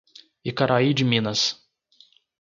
Icaraí de Minas